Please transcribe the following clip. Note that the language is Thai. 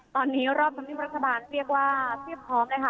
ตอนนี้รอบธรรมเนียบรัฐบาลเรียกว่าเพียบพร้อมเลยค่ะ